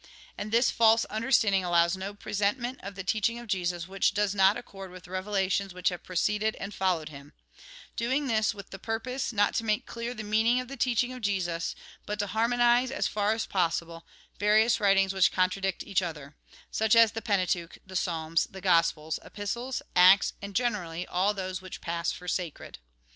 And this false understanding allows no present ment of the teaching of Jesus which does not accord with the revelations which have preceded and followed him ; doing this with the purpose, not to make clear the meaning of the teaching of Jesus, but to harmonise, as far as possible, various writings which contradict each other ; such as the Pentateuch, the Psalms, the Gospels, Epistles, Acts, and, generally, all those which pass for sacred.